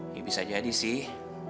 ya bisa jadi sih